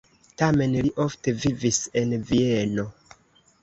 Tamen li ofte vivis en Vieno.